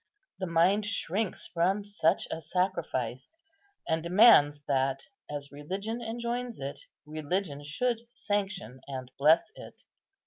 The mind shrinks from such a sacrifice, and demands that, as religion enjoins it, religion should sanction and bless it.